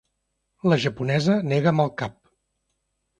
La japonesa nega amb el cap.